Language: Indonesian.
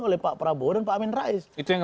oleh pak prabowo dan pak amin rais